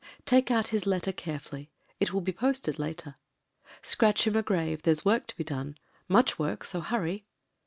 Take out his letter carefully — it will be posted later. Scratch him a grave, there's work to be done — much work, so hurry.